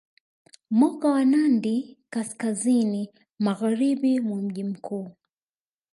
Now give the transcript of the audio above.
Moka wa Nandi kaskazini magharibi mwa mji mkuu